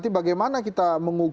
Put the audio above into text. sebenarnya bisa mencoba